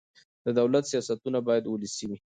د دولت سیاستونه باید ولسي وي